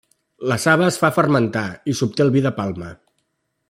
La saba es fa fermentar i s'obté el vi de palma.